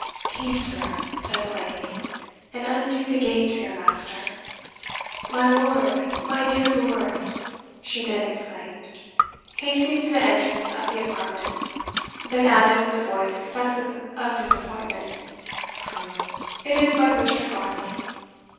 "Peace, sir," said the lady, "and undo the gate to your master. My lord! my dear lord!" she then exclaimed, hastening to the entrance of the apartment; then added, with a voice expressive of disappointment, "Pooh! it is but Richard Varney."